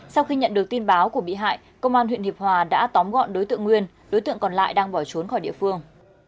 sau khi nhận được tin báo của bị hại công an huyện hiệp hòa đã tóm gọn đối tượng nguyên đối tượng còn lại đang bỏ trốn khỏi địa phương